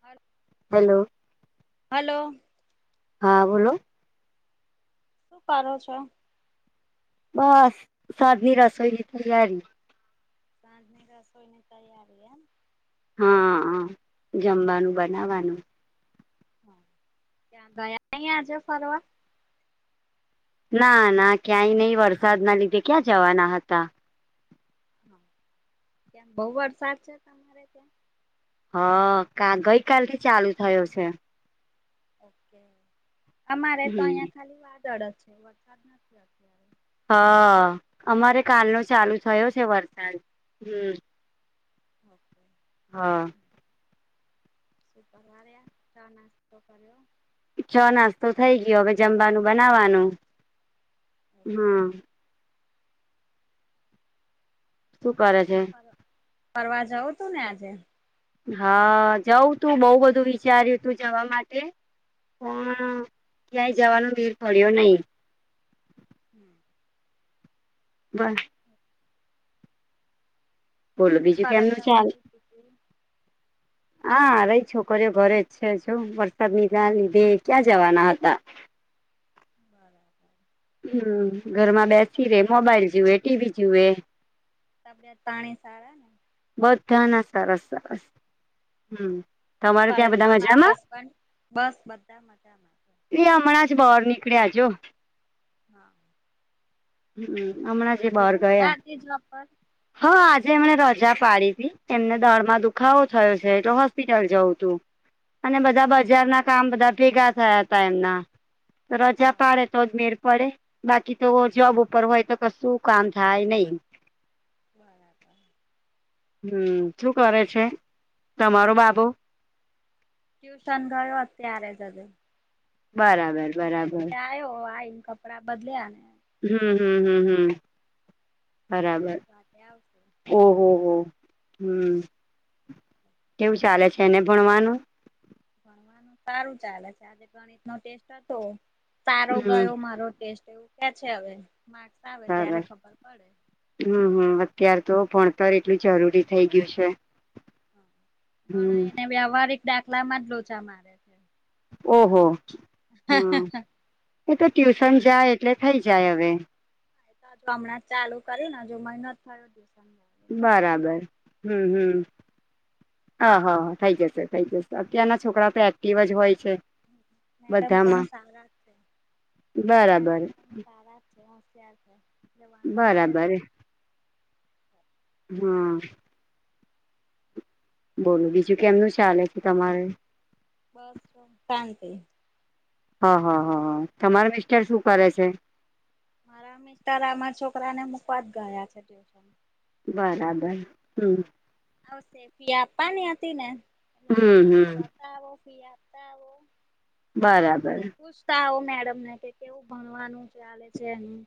હાલો hello hello હા બોલો શું કરો છો? બસ સાદી રસોઈની તૈયારી સાંજની રસોઈ ની તૈયારી એમ? હા હ જમવાનું બનાવવાનું હા ત્યાં ગયા નય આજે ફરવા? ના ના ક્યાંય નહી વરસાદ ના લીધે ક્યાં જવાના હતા. હા ત્યા બહુ વરસાદ છે તમારે ત્યાં? હા ગઈકાલથી ચાલુ થયો છે. ઓકે અમારે તો હમ અહિયાં ખાલી વાદળ જ છે વરસાદ નથી. હ અમારે કાલનો ચાલુ થયો છે વરસાદ હમ ઓકે હા શું ચા નાસ્તો કર્યો? ચા નાસ્તો થઇ ગયો હવે જમવાનું બનાવવાનું ઓકે. હમ શું તો કરે છે આજે ફર ફરવા જઉું તું ને આજે હા જઉં તું બહુ બધું વિચાર્યું તું જવા માટે પણ ક્યાંય જવાનું મેળ પડ્યો નહીં. હમ બસ બોલો શું બીજું ચાલે કેમનું ચાલ તમારે? હા રહી છોકરીઓ ઘરે છે વરસાદ ના લીધે ક્યાં જવાના હતા હા હમ ઘરમાં બેસી રે મોબાઈલ જુએ ટીવી જુએ તબીયત પાણી સારા? બધાને સરસ સરસ શું તમારે કરે ત્યાં બધા તમારા મજામાં? હસબન્ડ? બસ બધા મજામાં. છે. હમણાં જ બહાર નીકળ્યાજો હા હમ અને હમણા કેમ જે આજે બહાર ગયા. રજા હતી જોબ પર? હા આજે એમને રજા પાડી હતી એમને દળમાં દુખાવો થયો છેટલે હોસ્પિટલ જવું તું. અને બધા બરાબર બજારના કામ બધા ભેગા થયા હતા એમના. રજા પાડે બરાબર. તો જ મેળ પડે બાકી તો- - હા જોબ ઉપર હોય તો કશું કામ થાય નહી. બરાબર. હમ શું કરે છે તમાર બાબુ? ટ્યુશન ગયો અત્યારે જ હજી બરાબર. બરાબર સ્કૂલેથી આયો આઈને કપડા બદલ્યા ને હમ ટ્યુશન હમ ગયો. હમ હમ હવે બરાબર આઠ વાગે આવશે. ઓહોહો હમ કેવું ચાલે છે, એને ભણવાનું? ભણવાનું સારું ચાલે છે, આજે ગણિતનો ટેસ્ટ હતો સારો હમ ગયો મારો ટેસ્ટ એવું કે છે હવે માર્ક્સ આવે ત્યારે સરસ ખબર પડે હમ હમ અત્યાર તો ભણતર એટલું જરૂરી થઈ ગયું છે. પણ હમ એને વ્યવહારિક દાખલામાં જ લોચા મારે છે. ઓહો હા એ તો ટ્યુશન એવું જાય એટલે થઈ જાય હવે હમણાં ચાલુ કરીને જો મહિનો થયો એટલે બરાબર હમ આઈ હમ જશે હ હ થઈ જશે થઈ જશે અત્યારના છોકરા તો એક્ટિવ જ હોય છે. મેડમ પણ બધામાં સારા છે, બરાબર મેડમ પણ સારા તે હોશિયાર છે એટલે વાંધો આવે એમ બરાબર હા. બોલું બીજું કેમનું ચાલે છે તમારે? બસ શાંતી હા હા હા હા તમારા મિસ્ટર શું કરે છે? મારા મિસ્ટારામાં છોકરાને મૂકવા જ ગયા છે, ટ્યુશનમાં બરાબર હમ હ સેફી આપાની હતી ને હમ હમ આવો ફી આપતા આવો બરાબર અને પુશ તા આવો મેડમ ને કે કેવું ભણવાનું ચાલે છે, એનું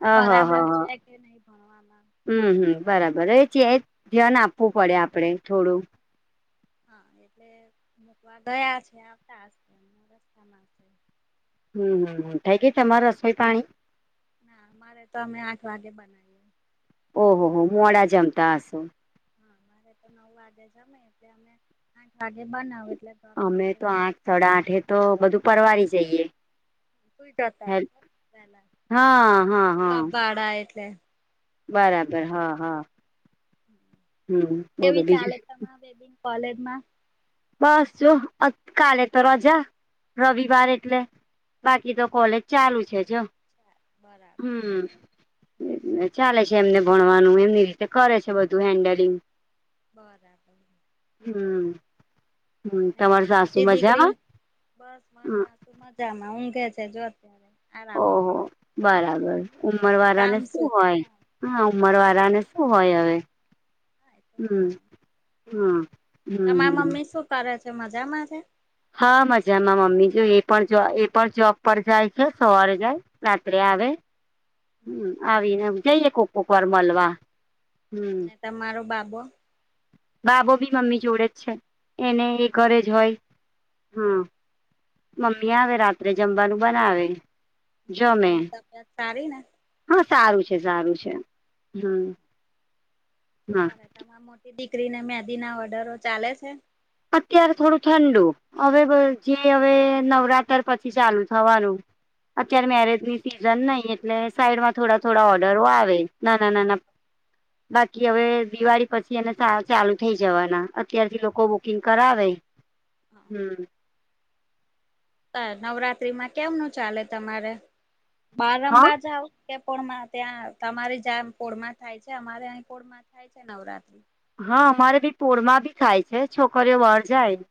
હ હા હા બરાબર હા છે કે નય ભણવામા? હમ હમ બરાબર એ જ ધ્યાન આપવું પડે આપડે થોડું હા એટલે મૂકવા ગયા છે આવતા હશે રસ્તામાં હમ હમમ થઈ ગઈ તમારે રસોઈ પાણી? ના અમારે તો અમે આઠ વાગે બનાવીએ ઓહો હો મોડા જમતા હસો હા મારે તો નવ વાગ્યે જમે એટલે અમે આઠ વાગે બનાવ એટલે ગરમ અમે તો આઠ સાડા આઠે તો બધું પરવારી જઈએ સુઈ જતા હતા પેલા હા હા હા જબ ભાડા એટલે બરાબર હા હા હમ બોલો કેવી બીજું ચાલે તમારી બેબીની કોલેજમાં? બસ જો કાલે તો રજા રવિવાર એટલે બાકી તો કોલેજ ચાલુ છે, જો બરા હમ. ચાલે છે એમને ભણવાનું એમની રીતે કરે છે, બધું હેન્ડલિંગ બરાબર. હમ. હમ ને તમાર સાસુ બીજી દીકરી મજામાં બસ મળતા મજામાં ઊંઘે છે, જો અત્યારે આરામ હ બરાબર ઉમર બીજું કામ વાળાને શું હોય હા બીજું ઉમર કામ વાળાને હોય હવે હા એ તો છે હમ, જ હમ, હમ, ને. તમારા હમ મમ્મી શું કરે છે, મજામાં છે. હા મજામાં મમ્મી જો એ પણ જો એ પણ જોબ પર જાય છે, સવારે જાય રાત્રે આવે હા. હમ આવીને જઈએ કો કોક વાર મળવા હમ ને તમારો બાબો બાબો બી મમ્મી જોડે જ છે એને એ ઘરે જ હોય હા મમ્મી આવે રાત્રે જમવાનું બનાવે હમ. જમે એની તબિયત સારી ને? હા સારું છે સારું છે હમ શું હા કરે તમામ મોટી દીકરીને મેદી ના ઓર્ડરો ચાલે છે અત્યારે થોડું ઠંડુ હવે જે હવે નવરાત્ર પછી ચાલુ થવાનું અત્યારે બરાબર મેરેજ ની સિઝન નહી એટલે સાઈડમાં થોડા થોડા ઓર્ડરો આવે નાના નાના બાકી હવે દિવાળી પછી એને ચાલુ થઈ જવાના અત્યારથી લોકો કિંગ કરાવે હમ નવરાત્રીમાં કેમનું ચાલે તમારે હા બારંબા જઓ કે પોળમાં ત્યાં તમારી જ કોળમાં થાય છે અમારે અહીં કોળમાં થાય છે નવરાત્રી હા અમારે ભી પરમા ભી ખાય છે છોકરીઓ વળ જાય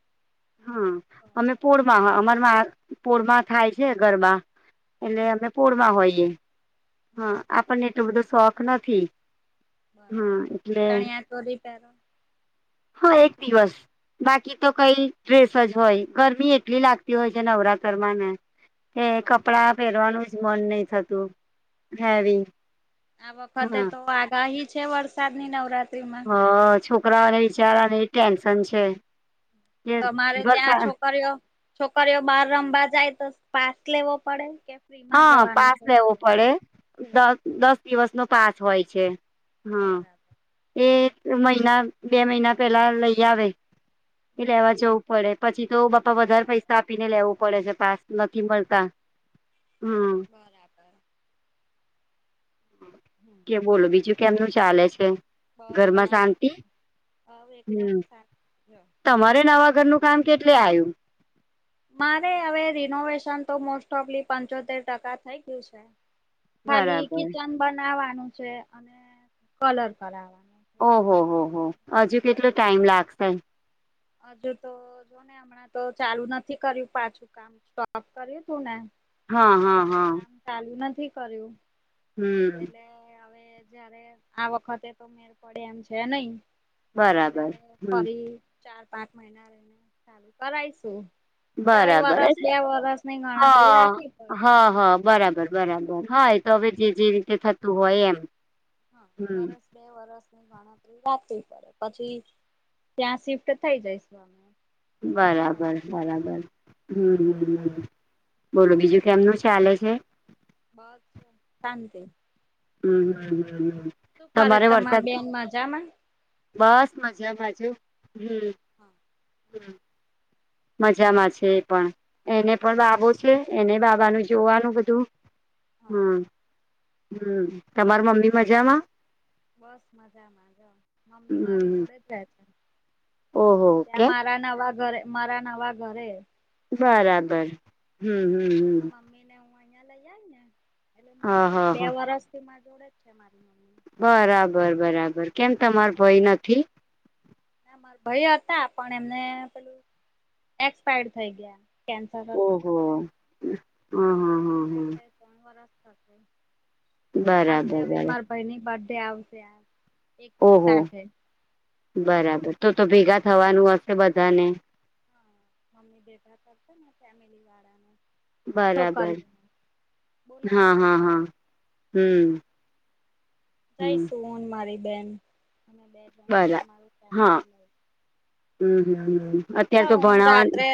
હા અમે બરાબર પરમાં અમારમાં પૂળમાં થાય છે ગરબા એટલે હમ અમે પૂળમાં હોયએ હા આપણને એટલું બધું શોખ નથી હા બરાબર એટલે ચણિયા તોોરી પે હા એક દિવસ બાકી તો કઈ ટ્રેસ જ હોય ગરમી એટલી લાગતી હોય છે નવરાત્રમાં ને એ બરાબર કપડાં પહેરવાનું જ મન નહ થતું હેવી આ વખતે હા તો આગાહી છે વરસાદ ની નવરાત્રી માં હ છોકરાઓને બિચારા ને એ ટેન્શન છે કે તમારે ત્યાં વરસા છોકરીઓ છોકરીઓ બાર રમવા જાય તો પાસ લેવો પડે કે ફ્રીમાં હા જવાનું પાસ લેવો છોકરીઓ પડે દ દસ દિવસ નો પાસ હોય છે હા બરાબર એ મહિના બે મહિના પેલા લઈ આવે એ લેવા બરાબર જવું પડે પછી તો બાપા વધારે પૈસા બરાબર આપીને લેવું પડે છે પાસ નથી મળતા હા બરાબર હમ કે બોલો બીજું કેમનું ચાલે છે બસ શાંતિ હ એકદમ હમ સાચું તમારે નવા ઘર નું કામ કેટલે આવ્યું મારે હવે રિનોવેશન તો મોસ્ટ ઓફલી પંચોતેર ટકા થઈ ગયું છે ખાલી બરાબર કિચન બનાવાનું છે અને કલર કરાવવાનું છે બસ ઓહો એટલું હો જ હો કામ હજુ બાકી કેટલો ટાઈમ લાગશે આજ તો હમણાં તો ચાલુ નથી કર્યું પાછું કામ સોપ કર્યું તું ને હા હા એટલે હા કામ ચાલુ નથી કર્યું હમ એટલે હવે જયારે આ વખતે તો મેર પડે એમ છે નહી એટલે બરાબર હવે હમ ફરી ચાર પાંચ મહિના રહીને ચાલુ કરાયશું એટલે હવે બરાબર વરસ હ બે વરસ ની હ હ ગણતરી રાખવી પડે એમ હા બરાબર બરાબર હય તો હવે જે જે રીતે થતું હોય એમ હા હમ વરસ બે વરસ ની રા પડે પછી ત્યાં શિફ્ટ થઈ જઈશ અમે નવા બરાબર બરાબર હમ હમ બોલો બીજું કેમનું ચાલે છે બ શાંત હમ કરે તમારે તમાર વરસાદ બેન મજામાં બસ મજા બાજુ હમ હા હ મજામાં છે એ પણ એને પણ બાબો છે એને બાબાનું જોવાનું બધું હા હમ હમ તમાર મમ્મી મજામાં? બસ મજામાં જ મમ્મી મારી હમ જોડે જ છે છે ઓહો ત્યાં ઓકે મારા નવા ઘરે મારા નવા ઘરે બરાબર હમ હમ આ હમ મમ્મી ને હું અહિયાં લઈ આવીઈ ને એટલે હા જોડે જ હા બે હા વરષ થી મા જોડે જ છે મારી મમ્મી બરાબર બરાબર કેમ તમાર ભય નથી ના મારા ભાઈ હતા પણ એમને પેલું એક્સપાયર્ડ થઈ ગયા કેન્સર હતું ને ઓહો એલે હ હ હ હ ણ વરષ થશે આવશે બરાબર હવે બરાબર ભાઈની બર્થડે આવશે એક વસ ઓહો સાં બરાબર તો તો ભેગા થવાનું હશે બધાને મમ્મી બેઠા કરતો ને ફેમિલી વાળાનું બરાબર હા બોલાવશે હા હા હમ હમ જઈશુંન મારી બેન બે જણ બરાબ અમારું હા ફેમિલી લઈ હમ હમ અત્યારે તો જાઉ હું ભણવાનું રાત્રે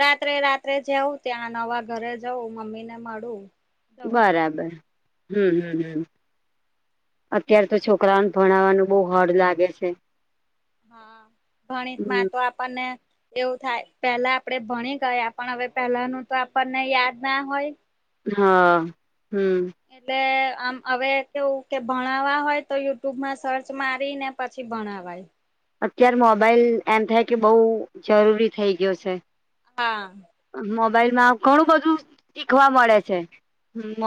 રાત્રે રાત્રે જવું ત્યાં નવા ઘરે જવું મમ્મી ને મળું કે જઉં બરાબર હમ હમ હમ અત્ય્યારે તો છોકરાઓને ભણાવવાનું બહુ હડ લાગે છે. હા ગણિત હમ માં તો આપણને એવું થાય પેલા આપડે ભણી ગયા પણ હવે પેલાનું તો આપણને યાદ ના હોય હા હમ એટલે આમ હવે કેવું કે ભણાવવા હોય તો યુટ્યુબમાં સર્ચ મારીને પછી ભણવાય અત્યારે મોબાઈલ એમ થાય કે બઉુ જરૂરી થઈ ગયો છે. હા. મોબાઈલ માં ઘણું બધું શીખવા મળે છે.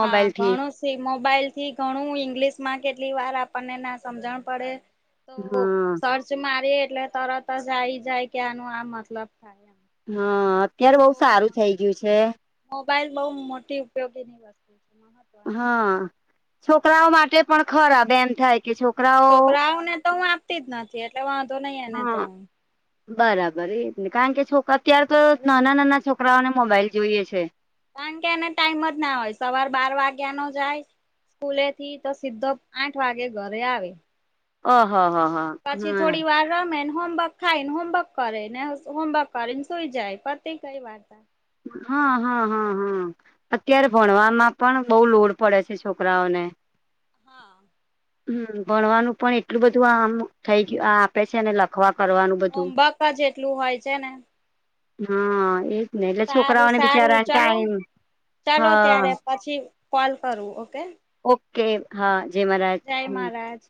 હા થી ઘણું. મોબાઈલ થી ઘણું ઈંગ્લિશ માં કેટલી વાર આપણને ના સમજણ પડે તો હા સર્ચ મારી એટલે તરત જ આવી જાય કે આનો આ મતલબ થાય એમ. હા અત્યારે બહ બહુ સારું થઇ ગયું છે. મોબાઈલ બઉુ મોટી ઉપયોગી ની વસ્તુ છે મહ હા છોકરાઓ માટે પણ ખરાબ એમ થાય કે છોકરા છોકરાઓને તો હું આપતી જ નથી એટલે વાંધો નહી એને તો હા બરાબર એ ને કારણ કે છોકરા અત્યારે તો નાના નાના છોકરાઓને મોબાઈલ જોઈએ છે. કારણ કે એને ટાઈમ જ ના હોય સવાર બાર વાગ્યા નો જાય ખૂલે થી તો સીધો આઠ વાગે ઘરે આવે ઓ હા હા હા. પછી થોડી વાર રમે ને હોમવર્ક ખાય ને હોમવર્ક કરે ને હોમવર્ક કરીને સુઈ જાય પતિ કઈ વાર્તા હા હા હા હા અત્યારે એટલે ભણવાવામાં પણ બહુ લોડ પડે છે છોકરાઓને હા. હમ ભણવાનું પણ એટલું બધું આમ થઇ ગયું આ આપે છેને લખવા કરવાનું બધું હોમવર્ક જ એટલું હોય છે ને હા એ ને એટલે સારું છોકરાઓને સારું બિચારા ચલો ટાઈમ હ ચાલો ત્યારે પછી કોલ કરવું ઓકે ઓકે હા જે મારા જય હમ મહારાજ